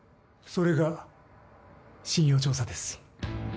それが信用調査です。